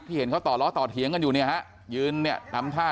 เห็นเขาต่อล้อต่อเถียงกันอยู่เนี่ยฮะยืนเนี่ยทำท่า